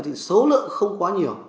thì số lượng không quá nhiều